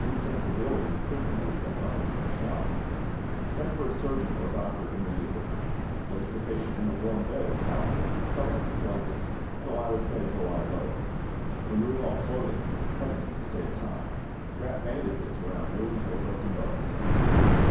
Insensibility frequently accompanies a shock. Send for a surgeon or doctor immediately. Place the patient in a warm bed, if possible, cover him with blankets, and allow his head to lie low. Remove all clothing, cutting it to save time. Wrap bandages around wounds or broken bones.